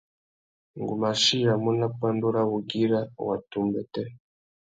Ngu mú achiyamú nà pandú râ wugüira watu umbêtê.